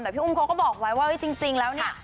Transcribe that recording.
แต่พี่อุ้มเขาก็บอกไว้ว่าจริงแล้วเนี่ย